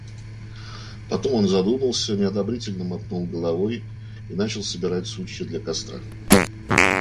Потом он задумался, неодобрительно мотнул головой и начал собирать сучья для костра.